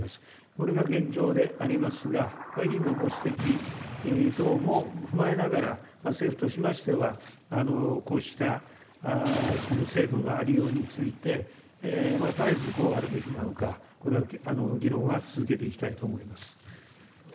これが現状でありますが、委員のご指摘等も踏まえながら、政府としましては、こうしたこの制度のありようについて、絶えずどうあるべきなのか、これは議論は続けていきたいと思います。